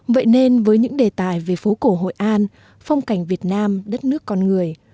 vậy nên với những đề tài về phố cổ hội an phong cảnh việt nam đất nước con người